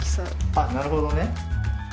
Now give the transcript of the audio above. あなるほどね。